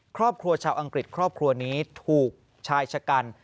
ครอบครัวชาวอังกฤษครอบครัวนี้ถูกชายชะกัน